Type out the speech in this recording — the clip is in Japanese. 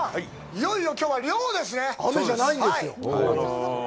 いよいよ、きょうは漁ですね。